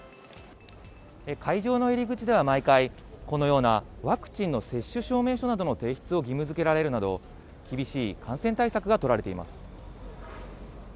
会場の入り口では毎回、このようなワクチンの接種証明書などの提出を義務づけられるなど、厳しい感染対策が取られています。